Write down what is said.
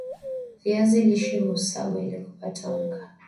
viazi lishe husagwa ili kupata unga